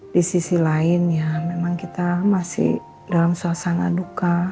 disisi lain ya memang kita masih dalam suasana duka